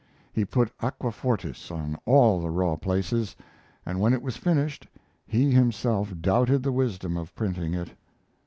He put aquafortis on all the raw places, and when it was finished he himself doubted the wisdom of printing it.